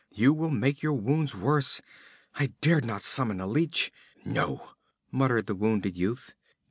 You will make your wounds worse. I dared not summon a leech ' 'No,' muttered the wounded youth.